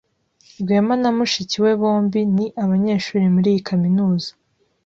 Rwema na mushiki we bombi ni abanyeshuri muri iyi kaminuza.